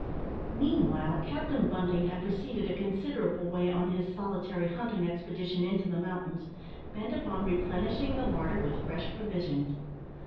Meanwhile Captain Bunting had proceeded a considerable way on his solitary hunting expedition into the mountains, bent upon replenishing the larder with fresh provisions.